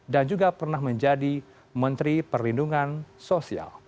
dan juga pernah menjadi menteri perlindungan sosial